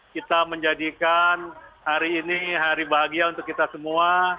kita menjadikan hari ini hari bahagia untuk kita semua